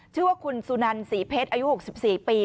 ชื่อว่าคุณสุนันศรีเพชรอายุ๖๔ปี